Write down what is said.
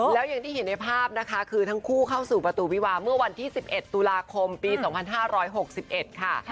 แล้วอย่างที่เห็นในภาพนะคะคือทั้งคู่เข้าสู่ประตูวิวาเมื่อวันที่๑๑ตุลาคมปี๒๕๖๑ค่ะ